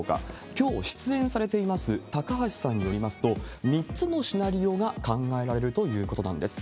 きょう出演されています高橋さんによりますと、３つのシナリオが考えられるということなんです。